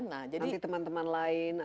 nanti teman teman lain